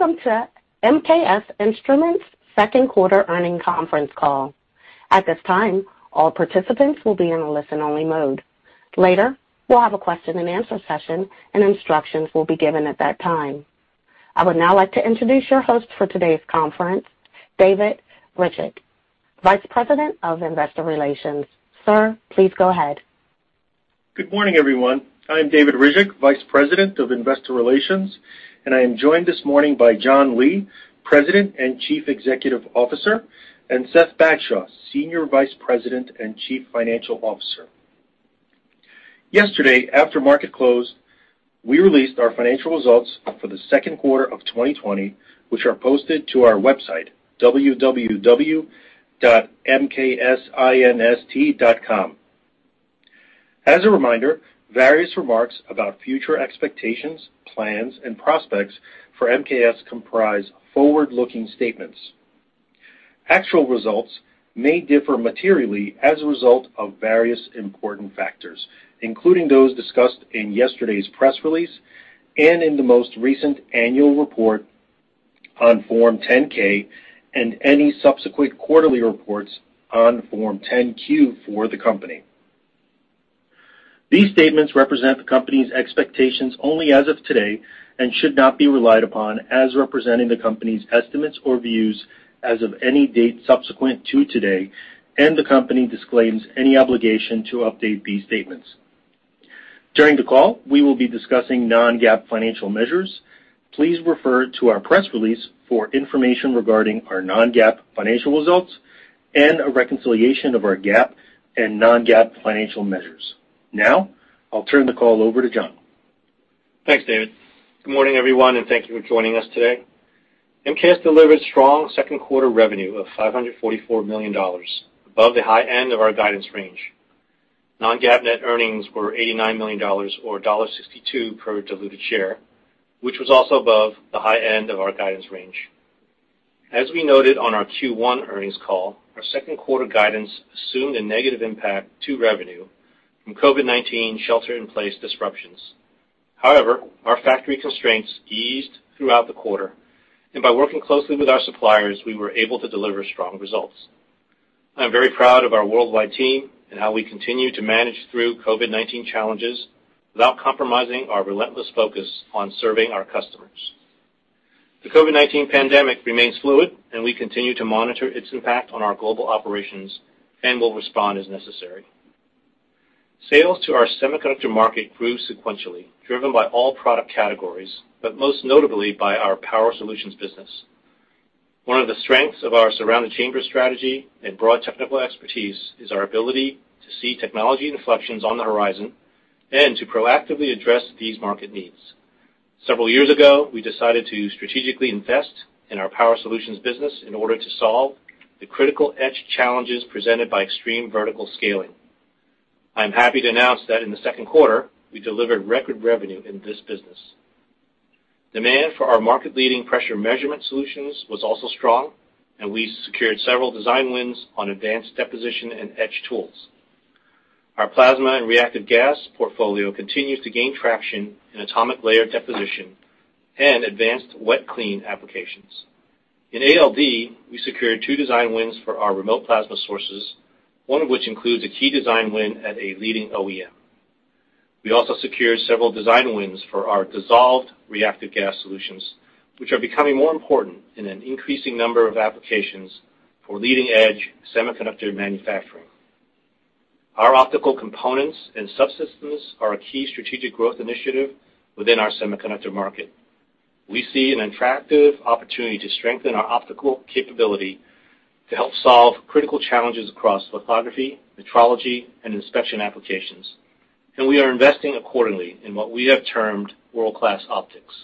Welcome to MKS Instruments' Second Quarter Earnings Conference Call. At this time, all participants will be in a listen-only mode. Later, we'll have a question-and-answer session and instructions will be given at that time. I would now like to introduce your hosts for today's conference, David Ryzhik, Vice President of Investor Relations. Sir, please go ahead. Good morning, everyone. I am David Ryzhik, Vice President of Investor Relations, and I am joined this morning by John Lee, President and Chief Executive Officer, and Seth Bagshaw, Senior Vice President and Chief Financial Officer. Yesterday, after market closed, we released our financial results for the second quarter of 2020, which are posted to our website, www.mksinst.com. As a reminder, various remarks about future expectations, plans, and prospects for MKS comprise forward-looking statements. Actual results may differ materially as a result of various important factors, including those discussed in yesterday's press release and in the most recent annual report on Form 10-K and any subsequent quarterly reports on Form 10-Q for the company. These statements represent the company's expectations only as of today and should not be relied upon as representing the company's estimates or views as of any date subsequent to today, and the company disclaims any obligation to update these statements. During the call, we will be discussing non-GAAP financial measures. Please refer to our press release for information regarding our non-GAAP financial results and a reconciliation of our GAAP and non-GAAP financial measures. Now, I'll turn the call over to John. Thanks, David. Good morning, everyone, and thank you for joining us today. MKS delivered strong second quarter revenue of $544 million, above the high end of our guidance range. Non-GAAP net earnings were $89 million or $1.62 per diluted share, which was also above the high end of our guidance range. As we noted on our Q1 earnings call, our second quarter guidance assumed a negative impact to revenue from COVID-19 shelter-in-place disruptions. However, our factory constraints eased throughout the quarter, and by working closely with our suppliers, we were able to deliver strong results. I am very proud of our worldwide team and how we continue to manage through COVID-19 challenges without compromising our relentless focus on serving our customers. The COVID-19 pandemic remains fluid, and we continue to monitor its impact on our global operations and will respond as necessary. Sales to our semiconductor market grew sequentially, driven by all product categories, but most notably by our Power Solutions business. One of the strengths of our Surround the Chamber strategy and broad technical expertise is our ability to see technology inflections on the horizon and to proactively address these market needs. Several years ago, we decided to strategically invest in our Power Solutions business in order to solve the critical etch challenges presented by extreme vertical scaling. I am happy to announce that in the second quarter, we delivered record revenue in this business. Demand for our market-leading pressure measurement solutions was also strong, and we secured several design wins on advanced deposition and etch tools. Our plasma and reactive gas portfolio continues to gain traction in atomic layer deposition and advanced wet-clean applications. In ALD, we secured two design wins for our remote plasma sources, one of which includes a key design win at a leading OEM. We also secured several design wins for our dissolved reactive gas solutions, which are becoming more important in an increasing number of applications for leading-edge semiconductor manufacturing. Our optical components and subsystems are a key strategic growth initiative within our semiconductor market. We see an attractive opportunity to strengthen our optical capability to help solve critical challenges across lithography, metrology, and inspection applications, and we are investing accordingly in what we have termed World Class Optics.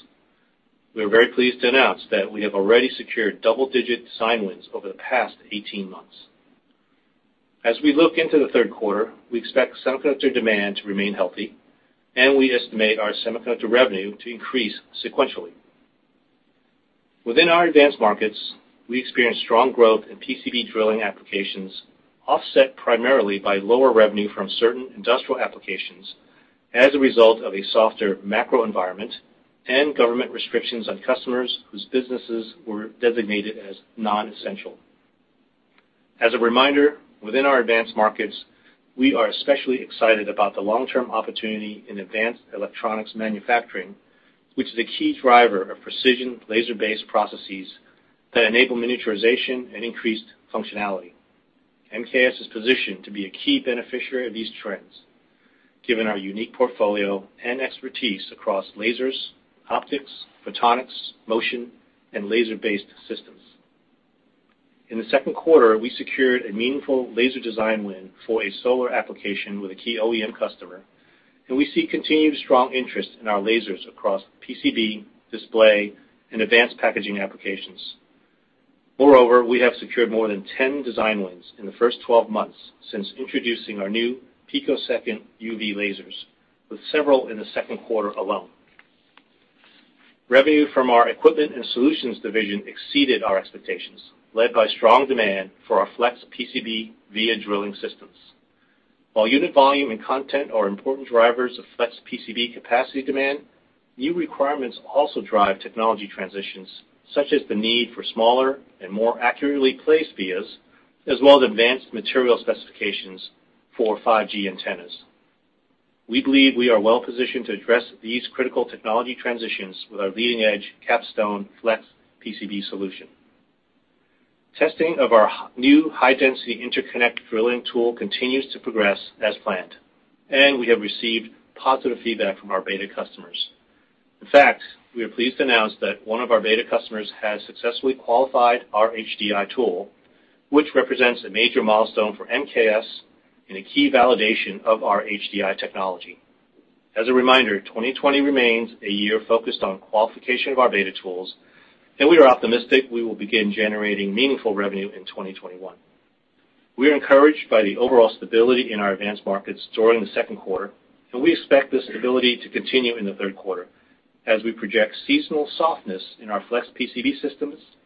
We are very pleased to announce that we have already secured double-digit design wins over the past 18 months. As we look into the third quarter, we expect semiconductor demand to remain healthy, and we estimate our semiconductor revenue to increase sequentially. Within our advanced markets, we experience strong growth in PCB drilling applications, offset primarily by lower revenue from certain industrial applications as a result of a softer macro environment and government restrictions on customers whose businesses were designated as non-essential. As a reminder, within our advanced markets, we are especially excited about the long-term opportunity in advanced electronics manufacturing, which is a key driver of precision laser-based processes that enable miniaturization and increased functionality. MKS is positioned to be a key beneficiary of these trends, given our unique portfolio and expertise across lasers, optics, photonics, motion, and laser-based systems. In the second quarter, we secured a meaningful laser design win for a solar application with a key OEM customer, and we see continued strong interest in our lasers across PCB, display, and advanced packaging applications. Moreover, we have secured more than 10 design wins in the first 12 months since introducing our new picosecond UV lasers, with several in the second quarter alone. Revenue from our Equipment and Solutions Division exceeded our expectations, led by strong demand for our flex PCB via drilling systems. While unit volume and content are important drivers of flex PCB capacity demand, new requirements also drive technology transitions, such as the need for smaller and more accurately placed vias, as well as advanced material specifications for 5G antennas. We believe we are well-positioned to address these critical technology transitions with our leading-edge Capstone flex PCB solution. Testing of our new high-density interconnect drilling tool continues to progress as planned, and we have received positive feedback from our beta customers. In fact, we are pleased to announce that one of our beta customers has successfully qualified our HDI tool, which represents a major milestone for MKS and a key validation of our HDI technology. As a reminder, 2020 remains a year focused on qualification of our beta tools, and we are optimistic we will begin generating meaningful revenue in 2021. We are encouraged by the overall stability in our advanced markets during the second quarter, and we expect this stability to continue in the third quarter, as we project seasonal softness in our flex PCB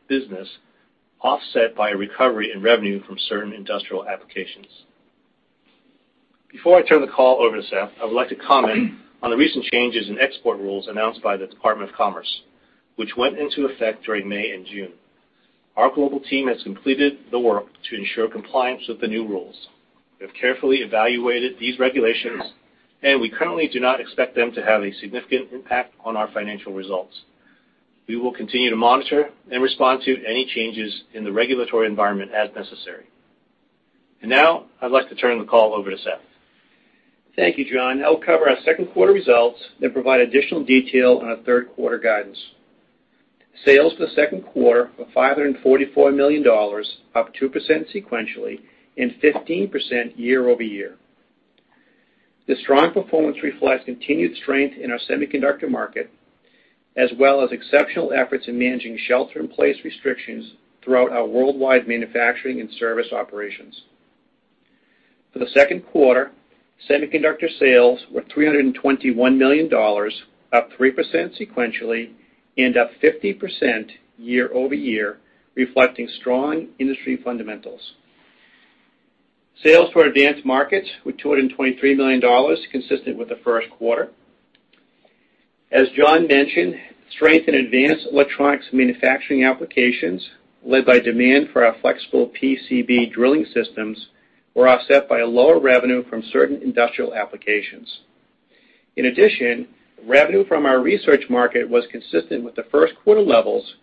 business offset by a recovery in revenue from certain industrial applications. Before I turn the call over to Seth, I would like to comment on the recent changes in export rules announced by the Department of Commerce, which went into effect during May and June. Our global team has completed the work to ensure compliance with the new rules. We have carefully evaluated these regulations, and we currently do not expect them to have a significant impact on our financial results. We will continue to monitor and respond to any changes in the regulatory environment as necessary. And now, I'd like to turn the call over to Seth. Thank you, John. I'll cover our second quarter results and provide additional detail on our third quarter guidance. Sales for the second quarter were $544 million, up 2% sequentially and 15% year-over-year. This strong performance reflects continued strength in our semiconductor market, as well as exceptional efforts in managing shelter-in-place restrictions throughout our worldwide manufacturing and service operations. For the second quarter, semiconductor sales were $321 million, up 3% sequentially and up 50% year-over-year, reflecting strong industry fundamentals. Sales for advanced markets were $223 million, consistent with the first quarter. As John mentioned, strength in advanced electronics manufacturing applications, led by demand for our flexible PCB drilling systems, were offset by a lower revenue from certain industrial applications. In addition, revenue from our research market was consistent with the first quarter levels,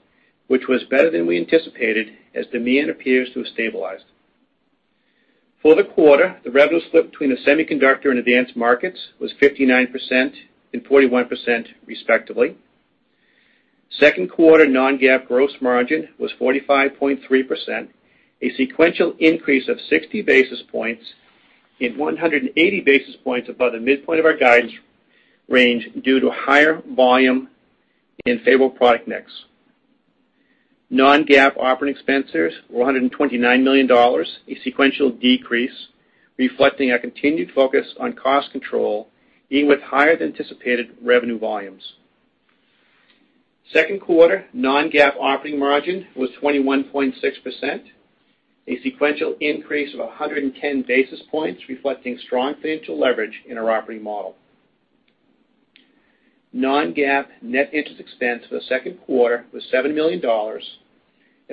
which was better than we anticipated as demand appears to have stabilized. For the quarter, the revenue split between the semiconductor and advanced markets was 59% and 41%, respectively. Second quarter non-GAAP gross margin was 45.3%, a sequential increase of 60 basis points and 180 basis points above the midpoint of our guidance range due to higher volume and favorable product mix. Non-GAAP operating expenses were $129 million, a sequential decrease reflecting our continued focus on cost control, even with higher than anticipated revenue volumes. Second quarter non-GAAP operating margin was 21.6%, a sequential increase of 110 basis points reflecting strong financial leverage in our operating model. Non-GAAP net interest expense for the second quarter was $7 million,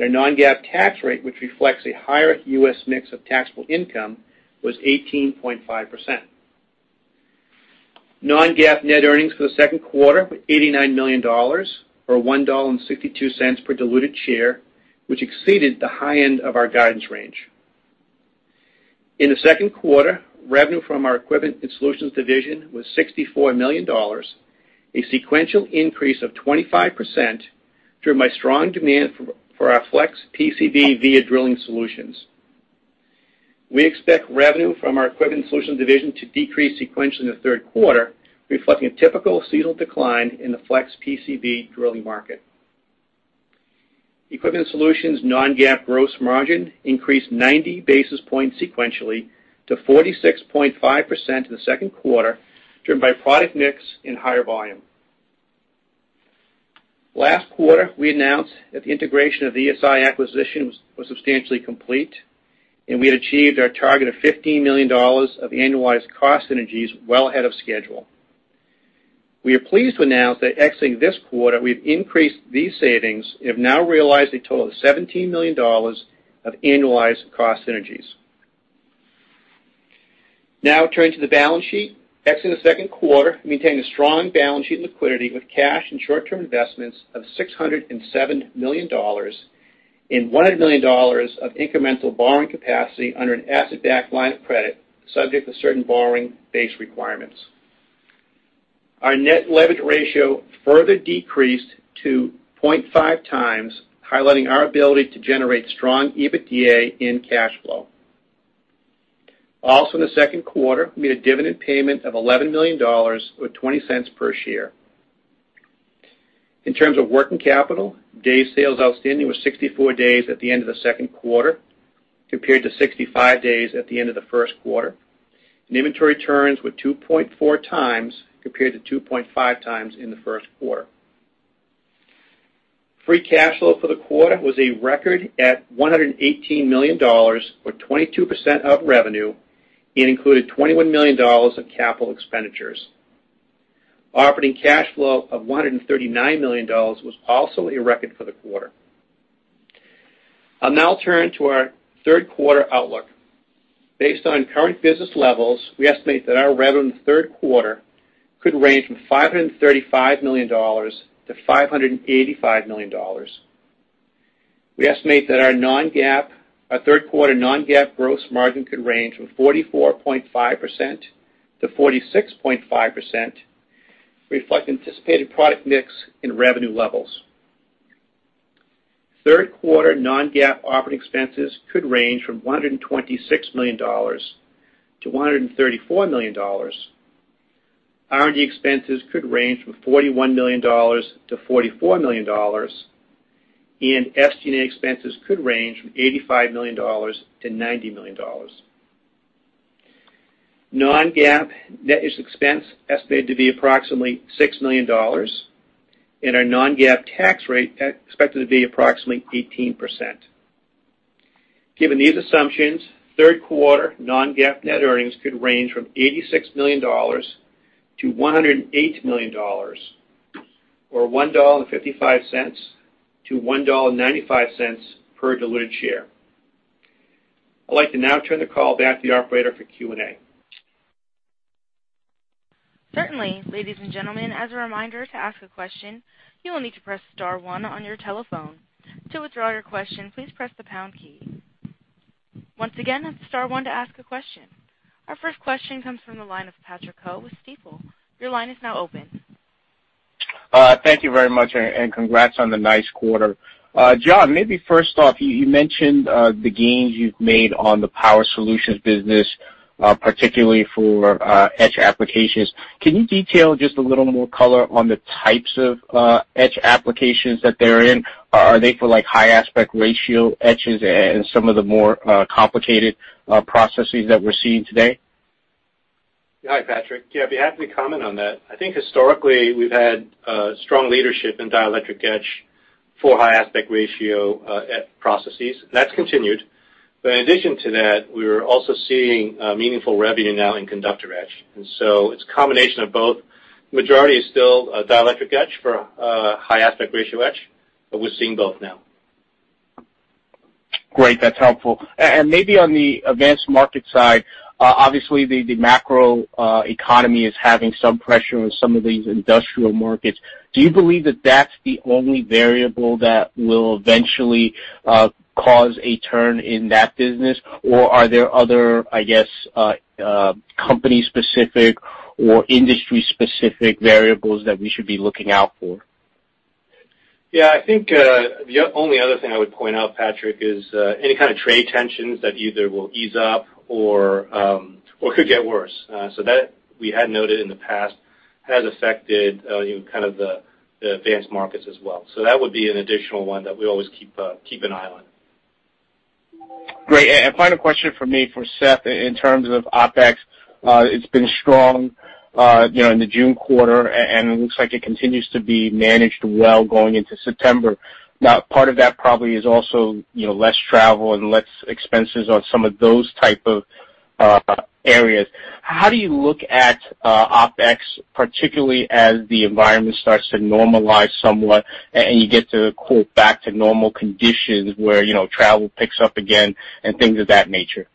and our non-GAAP tax rate, which reflects a higher U.S. mix of taxable income, was 18.5%. Non-GAAP net earnings for the second quarter were $89 million or $1.62 per diluted share, which exceeded the high end of our guidance range. In the second quarter, revenue from our Equipment and Solutions Division was $64 million, a sequential increase of 25% driven by strong demand for our flex PCB via drilling solutions. We expect revenue from our Equipment and Solutions Division to decrease sequentially in the third quarter, reflecting a typical seasonal decline in the flex PCB drilling market. Equipment and olutions non-GAAP gross margin increased 90 basis points sequentially to 46.5% in the second quarter, driven by product mix and higher volume. Last quarter, we announced that the integration of the ESI acquisition was substantially complete, and we had achieved our target of $15 million of annualized cost synergies well ahead of schedule. We are pleased to announce that exiting this quarter, we have increased these savings and have now realized a total of $17 million of annualized cost synergies. Now, turning to the balance sheet, exiting the second quarter, maintaining a strong balance sheet liquidity with cash and short-term investments of $607 million and $100 million of incremental borrowing capacity under an asset-backed line of credit subject to certain borrowing-based requirements. Our net leverage ratio further decreased to 0.5x, highlighting our ability to generate strong EBITDA and cash flow. Also, in the second quarter, we made a dividend payment of $11 million or $0.20 per share. In terms of working capital, days sales outstanding were 64 days at the end of the second quarter compared to 65 days at the end of the first quarter, and inventory turns were 2.4x compared to 2.5x in the first quarter. Free cash flow for the quarter was a record at $118 million or 22% of revenue and included $21 million of capital expenditures. Operating cash flow of $139 million was also a record for the quarter. I'll now turn to our third quarter outlook. Based on current business levels, we estimate that our revenue in the third quarter could range from $535 million-$585 million. We estimate that our third quarter non-GAAP gross margin could range from 44.5%-46.5%, reflecting anticipated product mix and revenue levels. Third quarter non-GAAP operating expenses could range from $126 million-$134 million. R&D expenses could range from $41 million-$44 million, and SG&A expenses could range from $85 million-$90 million. Non-GAAP net interest expense estimated to be approximately $6 million, and our non-GAAP tax rate expected to be approximately 18%. Given these assumptions, third quarter non-GAAP net earnings could range from $86 million-$108 million or $1.55-$1.95 per diluted share. I'd like to now turn the call back to the operator for Q&A. Certainly, ladies and gentlemen, as a reminder to ask a question, you will need to press star one on your telephone. To withdraw your question, please press the pound key. Once again, that's star one to ask a question. Our first question comes from the line of Patrick Ho with Stifel. Your line is now open. Thank you very much, and congrats on the nice quarter. John, maybe first off, you mentioned the gains you've made on the Power Solutions business, particularly for etch applications. Can you detail just a little more color on the types of etch applications that they're in? Are they for high aspect ratio etches and some of the more complicated processes that we're seeing today? Hi, Patrick. Yeah, I'd be happy to comment on that. I think historically, we've had strong leadership in dielectric etch for high aspect ratio processes, and that's continued. But in addition to that, we're also seeing meaningful revenue now in conductor etch. And so it's a combination of both. The majority is still dielectric etch for high aspect ratio etch, but we're seeing both now. Great. That's helpful. Maybe on the advanced market side, obviously, the macro economy is having some pressure in some of these industrial markets. Do you believe that that's the only variable that will eventually cause a turn in that business, or are there other, I guess, company-specific or industry-specific variables that we should be looking out for? Yeah, I think the only other thing I would point out, Patrick, is any kind of trade tensions that either will ease up or could get worse. So that we had noted in the past has affected kind of the advanced markets as well. So that would be an additional one that we always keep an eye on. Great. Final question for me for Seth. In terms of OpEx, it's been strong in the June quarter, and it looks like it continues to be managed well going into September. Now, part of that probably is also less travel and less expenses on some of those type of areas. How do you look at OpEx, particularly as the environment starts to normalize somewhat and you get to, quote, "back to normal conditions" where travel picks up again and things of that nature?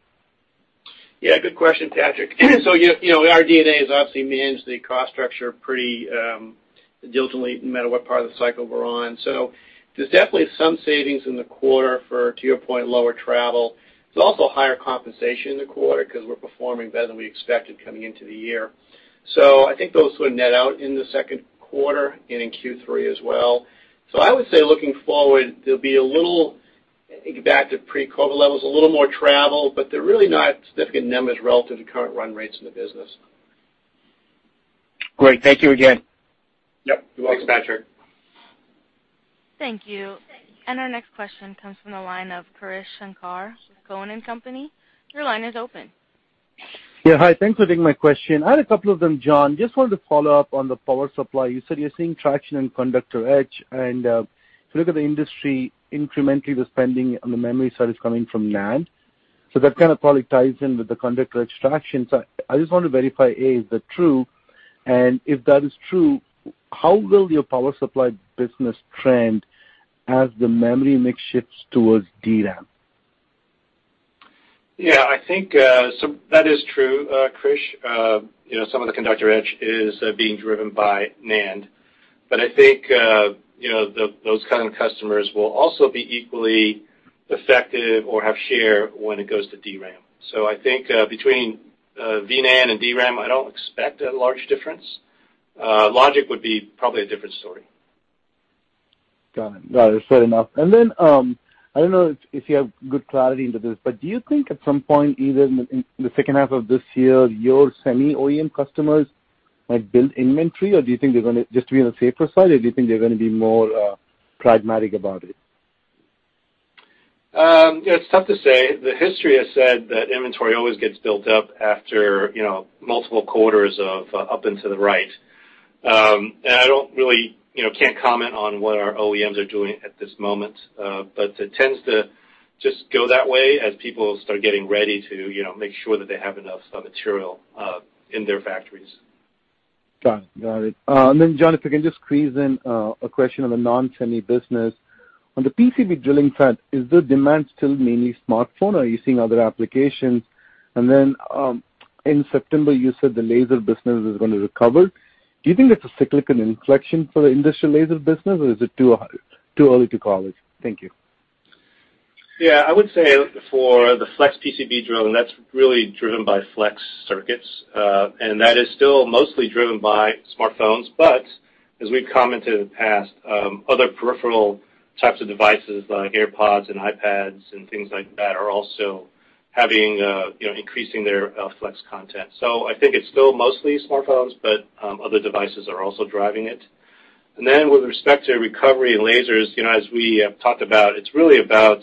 Yeah, good question, Patrick. So our DNA is obviously to manage the cost structure pretty diligently no matter what part of the cycle we're on. So there's definitely some savings in the quarter for, to your point, lower travel. There's also higher compensation in the quarter because we're performing better than we expected coming into the year. So I think those sort of net out in the second quarter and in Q3 as well. So I would say looking forward, there'll be a little back to pre-COVID levels, a little more travel, but there really are not significant numbers relative to current run rates in the business. Great. Thank you again. Yep. You're welcome. Thanks, Patrick. Thank you. And our next question comes from the line of Krish Sankar, Cowen and Company. Your line is open. Yeah, hi. Thanks for taking my question. I had a couple of them, John. Just wanted to follow up on the power supply. You said you're seeing traction in conductor etch, and if you look at the industry, incrementally, the spending on the memory side is coming from NAND. So that kind of probably ties in with the conductor etch traction. So I just want to verify, A, is that true? And if that is true, how will your power supply business trend as the memory mix shifts towards DRAM? Yeah, I think so that is true, Krish. Some of the conductor etch is being driven by NAND. But I think those kind of customers will also be equally effective or have share when it goes to DRAM. So I think between NAND and DRAM, I don't expect a large difference. Logic would be probably a different story. Got it. Got it. Fair enough. And then I don't know if you have good clarity into this, but do you think at some point, either in the second half of this year, your semi-OEM customers might build inventory, or do you think they're going to just be on the safer side, or do you think they're going to be more pragmatic about it? Yeah, it's tough to say. History has shown that inventory always gets built up after multiple quarters of up and to the right. I really can't comment on what our OEMs are doing at this moment, but it tends to just go that way as people start getting ready to make sure that they have enough material in their factories. Got it. Got it. And then, John, if I can just squeeze in a question on the non-semi business. On the PCB drilling side, is the demand still mainly smartphone, or are you seeing other applications? And then in September, you said the laser business is going to recover. Do you think that's a cyclical inflection for the industrial laser business, or is it too early to call it? Thank you. Yeah, I would say for the flex PCB drilling, that's really driven by flex circuits, and that is still mostly driven by smartphones. But as we've commented in the past, other peripheral types of devices like AirPods and iPads and things like that are also increasing their flex content. So I think it's still mostly smartphones, but other devices are also driving it. And then with respect to recovery and lasers, as we have talked about, it's really about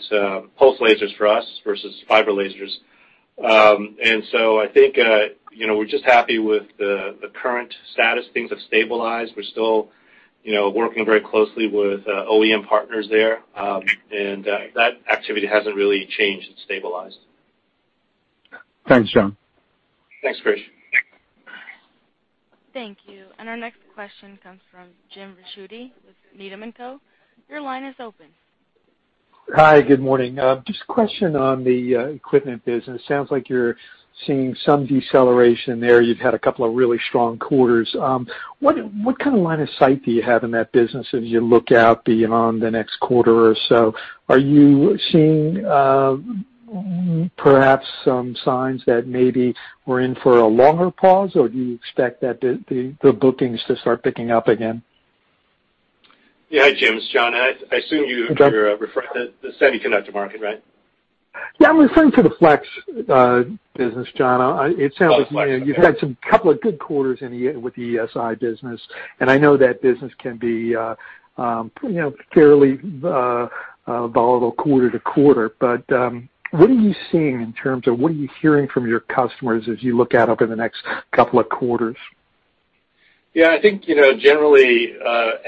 pulse lasers for us versus fiber lasers. And so I think we're just happy with the current status. Things have stabilized. We're still working very closely with OEM partners there, and that activity hasn't really changed. It's stabilized. Thanks, John. Thanks, Krish. Thank you. Our next question comes from Jim Ricchiuti with Needham & Co. Your line is open. Hi. Good morning. Just a question on the equipment business. Sounds like you're seeing some deceleration there. You've had a couple of really strong quarters. What kind of line of sight do you have in that business as you look out beyond the next quarter or so? Are you seeing perhaps some signs that maybe we're in for a longer pause, or do you expect the bookings to start picking up again? Yeah, hi, Jim. It's John. I assume you're referring to the semiconductor market, right? Yeah, I'm referring to the flex business, John. It sounds like you've had a couple of good quarters with the ESI business, and I know that business can be fairly volatile quarter to quarter. But what are you seeing in terms of what are you hearing from your customers as you look out over the next couple of quarters? Yeah, I think generally,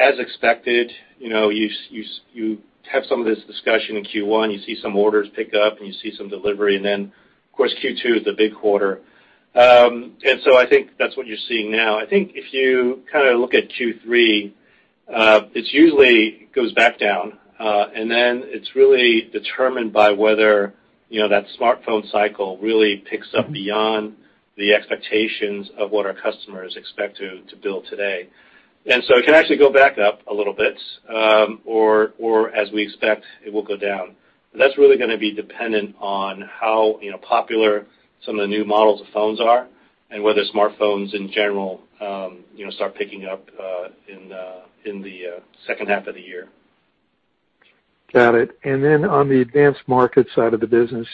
as expected, you have some of this discussion in Q1. You see some orders pick up, and you see some delivery. And then, of course, Q2 is the big quarter. And so I think that's what you're seeing now. I think if you kind of look at Q3, it usually goes back down, and then it's really determined by whether that smartphone cycle really picks up beyond the expectations of what our customers expect to build today. And so it can actually go back up a little bit, or as we expect, it will go down. But that's really going to be dependent on how popular some of the new models of phones are and whether smartphones in general start picking up in the second half of the year. Got it. And then on the advanced market side of the business,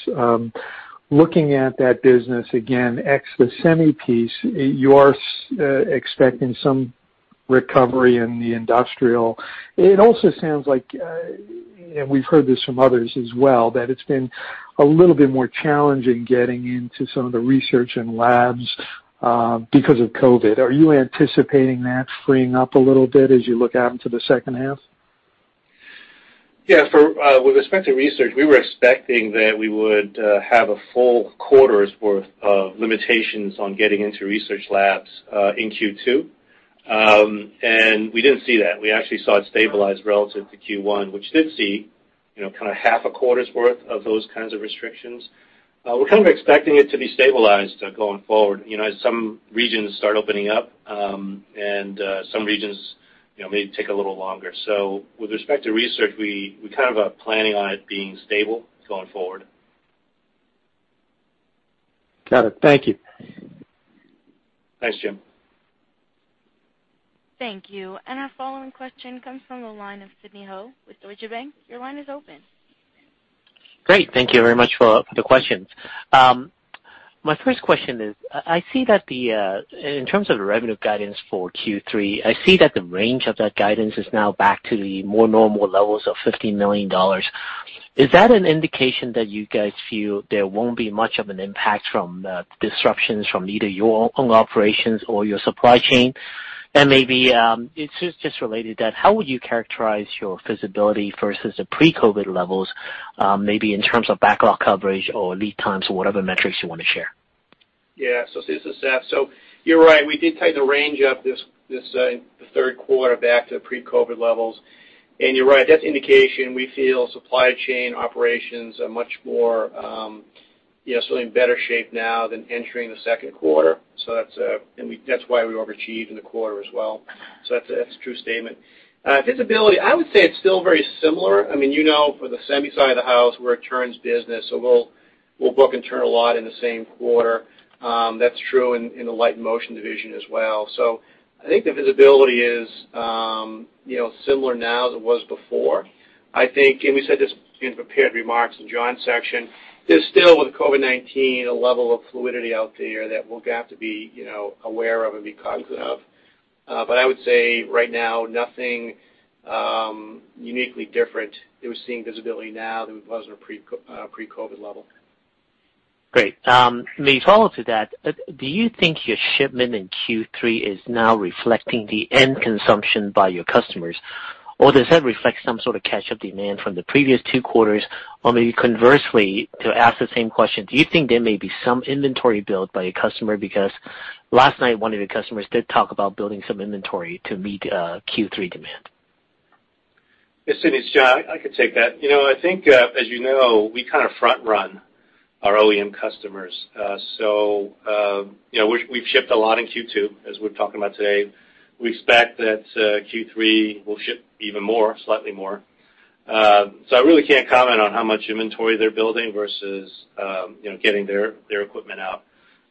looking at that business, again, X, the semi piece, you are expecting some recovery in the industrial. It also sounds like, and we've heard this from others as well, that it's been a little bit more challenging getting into some of the research and labs because of COVID. Are you anticipating that freeing up a little bit as you look out into the second half? Yeah. With respect to research, we were expecting that we would have a full quarter's worth of limitations on getting into research labs in Q2, and we didn't see that. We actually saw it stabilize relative to Q1, which did see kind of half a quarter's worth of those kinds of restrictions. We're kind of expecting it to be stabilized going forward. Some regions start opening up, and some regions may take a little longer. So with respect to research, we kind of are planning on it being stable going forward. Got it. Thank you. Thanks, Jim. Thank you. Our following question comes from the line of Sidney Ho with Deutsche Bank. Your line is open. Great. Thank you very much for the questions. My first question is, in terms of the revenue guidance for Q3, I see that the range of that guidance is now back to the more normal levels of $15 million. Is that an indication that you guys feel there won't be much of an impact from disruptions from either your own operations or your supply chain? And maybe it's just related to that. How would you characterize your feasibility versus the pre-COVID levels, maybe in terms of backlog coverage or lead times or whatever metrics you want to share? Yeah. So this is Seth. So you're right. We did tighten the range up this third quarter back to pre-COVID levels, and you're right. That's an indication. We feel supply chain operations are much more certainly in better shape now than entering the second quarter. And that's why we overachieved in the quarter as well. So that's a true statement. Visibility, I would say it's still very similar. I mean, for the semi side of the house, we're a turns business, so we'll book and turn a lot in the same quarter. That's true in the Light and Motion Division as well. So I think the visibility is similar now as it was before. And we said this in prepared remarks in the John section. There's still, with COVID-19, a level of fluidity out there that we'll have to be aware of and be cognizant of. I would say right now, nothing uniquely different. We're seeing visibility now than we was in a pre-COVID level. Great. Maybe follow up to that. Do you think your shipment in Q3 is now reflecting the end consumption by your customers, or does that reflect some sort of catch-up demand from the previous two quarters? Or maybe conversely, to ask the same question, do you think there may be some inventory build by a customer because last night, one of your customers did talk about building some inventory to meet Q3 demand? Yes, it is. John, I could take that. I think, as you know, we kind of front-run our OEM customers. So we've shipped a lot in Q2, as we're talking about today. We expect that Q3 we'll ship even more, slightly more. So I really can't comment on how much inventory they're building versus getting their equipment out.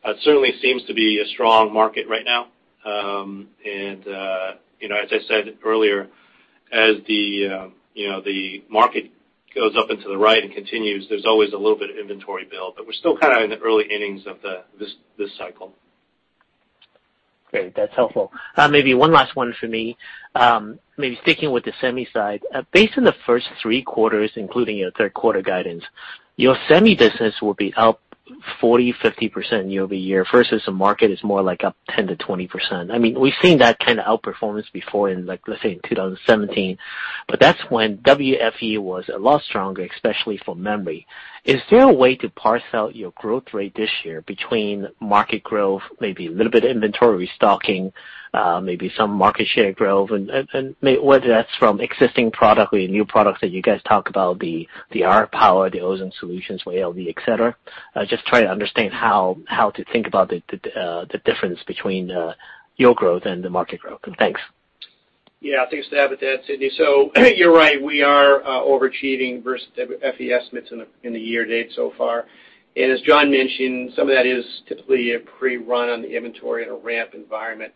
It certainly seems to be a strong market right now. And as I said earlier, as the market goes up into the right and continues, there's always a little bit of inventory build, but we're still kind of in the early innings of this cycle. Great. That's helpful. Maybe one last one for me, maybe sticking with the semi side. Based on the first three quarters, including your third-quarter guidance, your semi business will be up 40%-50% year-over-year versus the market is more like up 10%-20%. I mean, we've seen that kind of outperformance before, let's say, in 2017, but that's when WFE was a lot stronger, especially for memory. Is there a way to parse out your growth rate this year between market growth, maybe a little bit of inventory restocking, maybe some market share growth, and whether that's from existing product or new products that you guys talk about, the RF Power, the Ozone Solutions for ALD etc.? Just trying to understand how to think about the difference between your growth and the market growth. Thanks. Yeah. Thanks for that, Sidney. So you're right. We are overachieving versus WFE estimates in the year date so far. And as John mentioned, some of that is typically a prerun on the inventory in a ramp environment.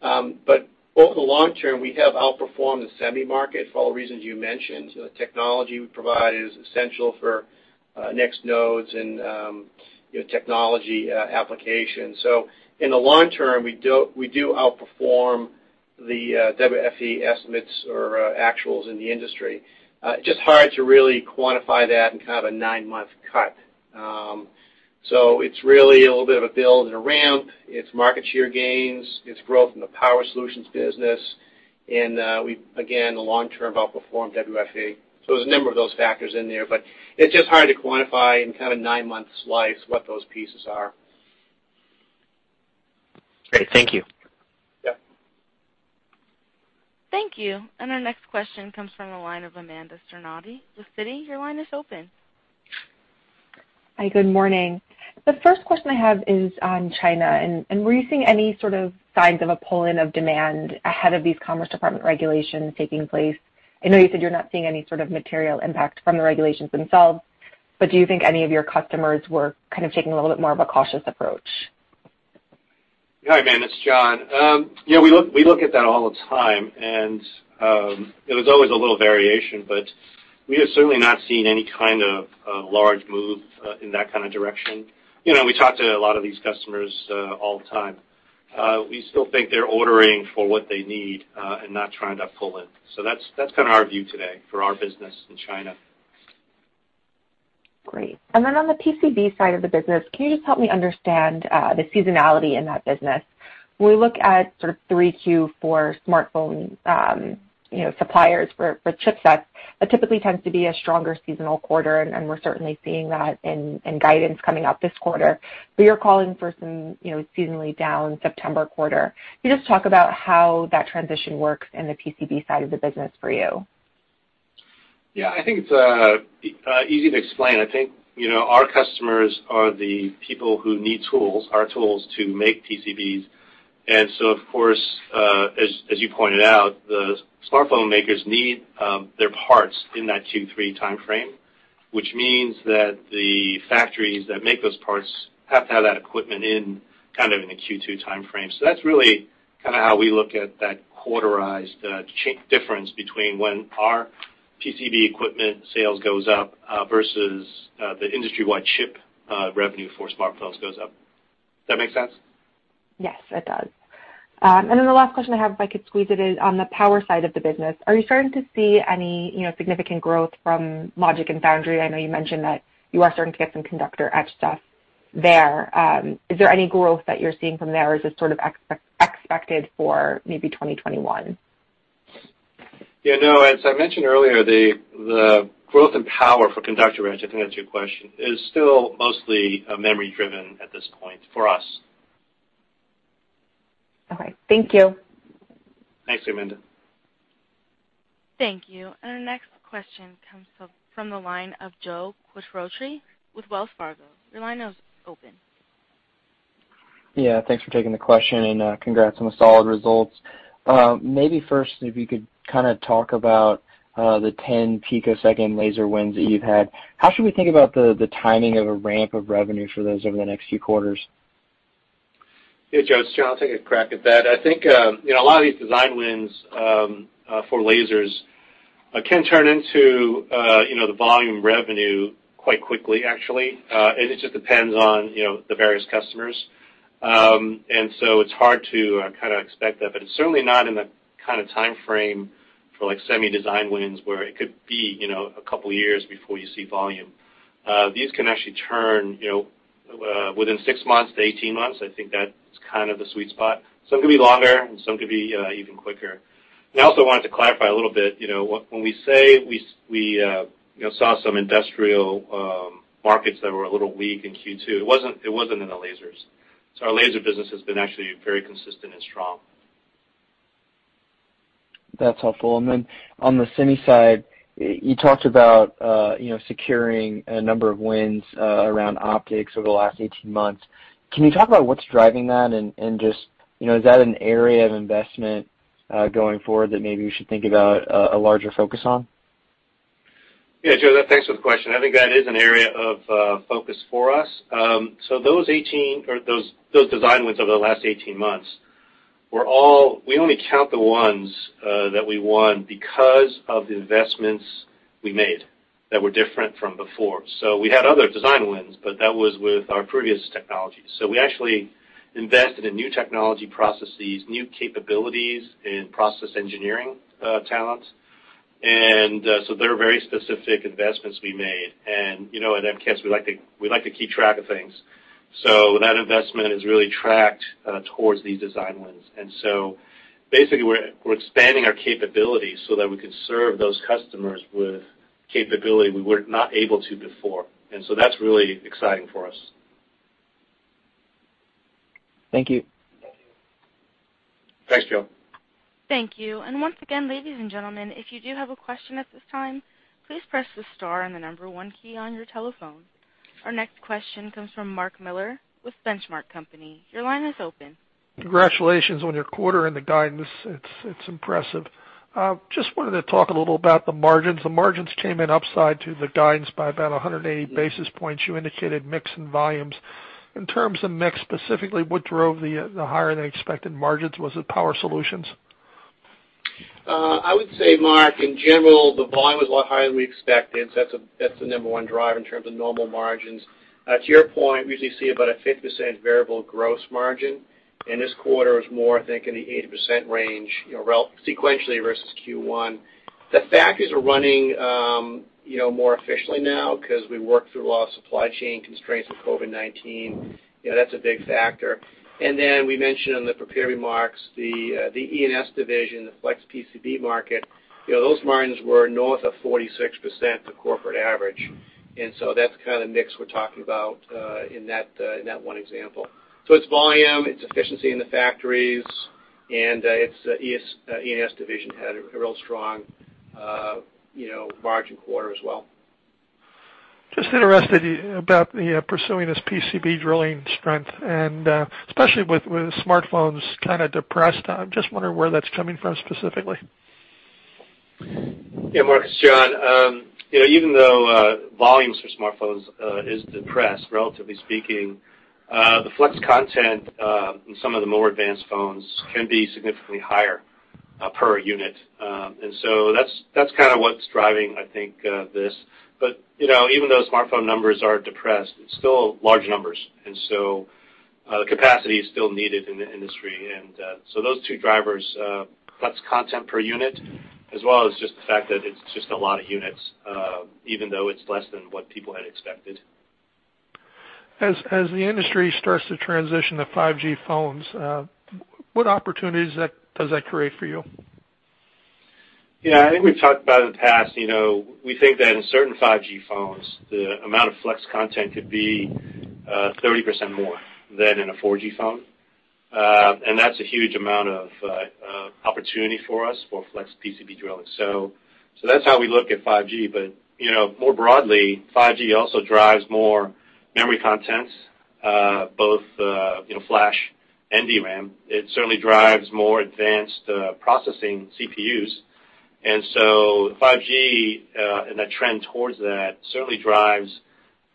But over the long term, we have outperformed the semi market for all the reasons you mentioned. The technology we provide is essential for next nodes and technology applications. So in the long term, we do outperform the WFE estimates or actuals in the industry. It's just hard to really quantify that in kind of a nine-month cut. So it's really a little bit of a build and a ramp. It's market share gains. It's growth in the Power Solutions business. And again, in the long term, we outperformed WFE. There's a number of those factors in there, but it's just hard to quantify in kind of a 9-month slice what those pieces are. Great. Thank you. Yep. Thank you. Our next question comes from the line of Amanda Scarnati with Citi. Your line is open. Hi. Good morning. The first question I have is on China. Were you seeing any sort of signs of a pull-in of demand ahead of these Department of Commerce regulations taking place? I know you said you're not seeing any sort of material impact from the regulations themselves, but do you think any of your customers were kind of taking a little bit more of a cautious approach? Hi, Amanda. It's John. Yeah, we look at that all the time, and there's always a little variation, but we have certainly not seen any kind of large move in that kind of direction. We talk to a lot of these customers all the time. We still think they're ordering for what they need and not trying to pull in. So that's kind of our view today for our business in China. Great. And then on the PCB side of the business, can you just help me understand the seasonality in that business? When we look at sort of Q3,Q4 smartphone suppliers for chipsets, that typically tends to be a stronger seasonal quarter, and we're certainly seeing that in guidance coming out this quarter. But you're calling for some seasonally down September quarter. Can you just talk about how that transition works in the PCB side of the business for you? Yeah. I think it's easy to explain. I think our customers are the people who need our tools to make PCBs. And so, of course, as you pointed out, the smartphone makers need their parts in that Q3 timeframe, which means that the factories that make those parts have to have that equipment kind of in the Q2 timeframe. So that's really kind of how we look at that quarterly difference between when our PCB equipment sales goes up versus the industry-wide chip revenue for smartphones goes up. Does that make sense? Yes, it does. And then the last question I have, if I could squeeze it, is on the power side of the business. Are you starting to see any significant growth from Logic and Foundry? I know you mentioned that you are starting to get some conductor etch stuff there. Is there any growth that you're seeing from there, or is it sort of expected for maybe 2021? Yeah. No. As I mentioned earlier, the growth in power for conductor etch - I think that's your question - is still mostly memory-driven at this point for us. Okay. Thank you. Thanks, Amanda. Thank you. Our next question comes from the line of Joe Quatrochi with Wells Fargo. Your line is open. Yeah. Thanks for taking the question, and congrats on the solid results. Maybe first, if you could kind of talk about the 10 picosecond laser wins that you've had, how should we think about the timing of a ramp of revenue for those over the next few quarters? Yeah, Joe. It's John. I'll take a crack at that. I think a lot of these design wins for lasers can turn into the volume revenue quite quickly, actually, and it just depends on the various customers. So it's hard to kind of expect that, but it's certainly not in the kind of timeframe for semi design wins where it could be a couple of years before you see volume. These can actually turn within six-18 months. I think that's kind of the sweet spot. Some could be longer, and some could be even quicker. I also wanted to clarify a little bit. When we say we saw some industrial markets that were a little weak in Q2, it wasn't in the lasers. So our laser business has been actually very consistent and strong. That's helpful. And then on the semi side, you talked about securing a number of wins around optics over the last 18 months. Can you talk about what's driving that, and just is that an area of investment going forward that maybe we should think about a larger focus on? Yeah, Joe. Thanks for the question. I think that is an area of focus for us. So those 18 or those design wins over the last 18 months, we only count the ones that we won because of the investments we made that were different from before. So we had other design wins, but that was with our previous technologies. So we actually invested in new technology processes, new capabilities, and process engineering talent. And so they're very specific investments we made. And at MKS, we like to keep track of things. So that investment is really tracked towards these design wins. And so basically, we're expanding our capabilities so that we can serve those customers with capability we were not able to before. And so that's really exciting for us. Thank you. Thanks, Joe. Thank you. And once again, ladies and gentlemen, if you do have a question at this time, please press the star and the number one key on your telephone. Our next question comes from Mark Miller with The Benchmark Company. Your line is open. Congratulations on your quarter and the guidance. It's impressive. Just wanted to talk a little about the margins. The margins came in upside to the guidance by about 180 basis points. You indicated mix and volumes. In terms of mix specifically, what drove the higher-than-expected margins? Was it Power Solutions? I would say, Mark, in general, the volume was a lot higher than we expected. So that's the number one drive in terms of normal margins. To your point, we usually see about a 50% variable gross margin. In this quarter, it was more, I think, in the 80% range sequentially versus Q1. The factories are running more efficiently now because we worked through a lot of supply chain constraints with COVID-19. That's a big factor. And then we mentioned in the prepared remarks the E&S Division, the flex PCB market. Those margins were north of 46% of corporate average. And so that's kind of the mix we're talking about in that one example. So it's volume. It's efficiency in the factories. And the E&S Division had a real strong margin quarter as well. Just interested about pursuing this PCB drilling strength, and especially with smartphones kind of depressed. I'm just wondering where that's coming from specifically? Yeah, Mark. It's John. Even though volumes for smartphones are depressed, relatively speaking, the flex content in some of the more advanced phones can be significantly higher per unit. And so that's kind of what's driving, I think, this. But even though smartphone numbers are depressed, it's still large numbers. And so the capacity is still needed in the industry. And so those two drivers, flex content per unit, as well as just the fact that it's just a lot of units, even though it's less than what people had expected. As the industry starts to transition to 5G phones, what opportunities does that create for you? Yeah. I think we've talked about it in the past. We think that in certain 5G phones, the amount of flex content could be 30% more than in a 4G phone. And that's a huge amount of opportunity for us for flex PCB drilling. So that's how we look at 5G. But more broadly, 5G also drives more memory contents, both flash and DRAM. It certainly drives more advanced processing CPUs. And so 5G and that trend towards that certainly drives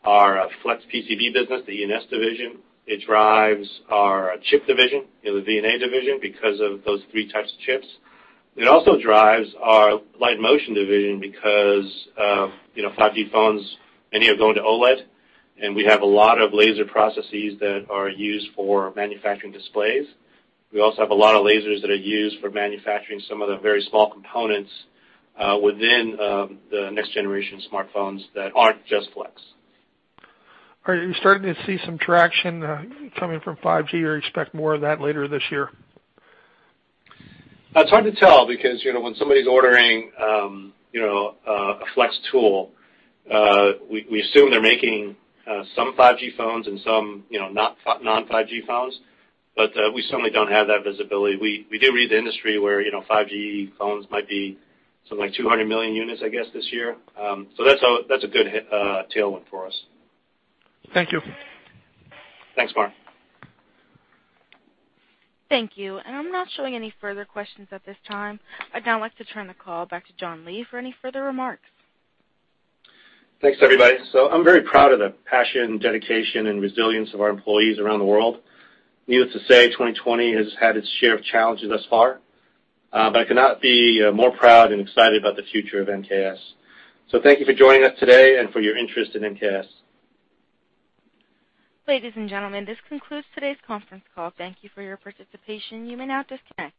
our flex PCB business, the E&S Division. It drives our chip division, the V&A Division, because of those three types of chips. It also drives our Light and Motion Division because 5G phones, many are going to OLED, and we have a lot of laser processes that are used for manufacturing displays. We also have a lot of lasers that are used for manufacturing some of the very small components within the next-generation smartphones that aren't just flex. Are you starting to see some traction coming from 5G, or expect more of that later this year? It's hard to tell because when somebody's ordering a flex tool, we assume they're making some 5G phones and some non-5G phones. But we certainly don't have that visibility. We do read the industry where 5G phones might be something like 200 million units, I guess, this year. So that's a good tailwind for us. Thank you. Thanks, Mark. Thank you. I'm not showing any further questions at this time. I'd now like to turn the call back to John Lee for any further remarks. Thanks, everybody. So I'm very proud of the passion, dedication, and resilience of our employees around the world. Needless to say, 2020 has had its share of challenges thus far, but I cannot be more proud and excited about the future of MKS. So thank you for joining us today and for your interest in MKS. Ladies and gentlemen, this concludes today's conference call. Thank you for your participation. You may now disconnect.